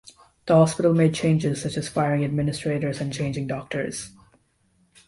The hospital made changes such as firing administrators and changing doctors.